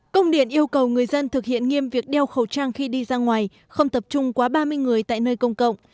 công điện yêu cầu người dân thực hiện nghiêm việc đeo khẩu trang khi đi ra ngoài không tập trung quá ba mươi người tại nơi công cộng